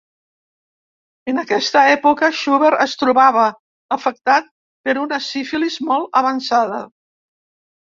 En aquesta època Schubert es trobava afectat per una sífilis molt avançada.